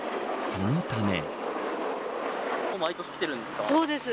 そのため。